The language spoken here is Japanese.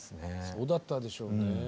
そうだったでしょうね。